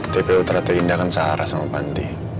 tpu teratai indah kan sahara sama panti